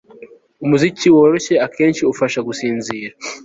Umuziki woroshye akenshi ufasha gusinzira